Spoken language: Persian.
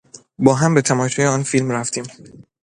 با هم به تماشای آن فیلم رفتیم.